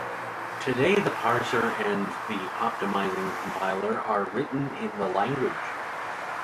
Today, the parser and the optimizing compiler are written in the language.